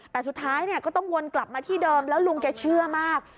แต่สุดท้ายเนี่ยก็ต้องวนกลับมาที่เดิมแล้วลุงแกเชื่อมาก